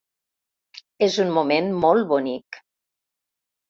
És un moment molt bonic.